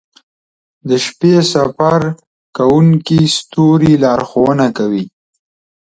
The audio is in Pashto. • د شپې سفر کوونکي ستوري لارښونه کوي.